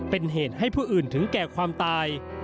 เป็นเหตุให้ผู้อื่นถึงแก่ความตาย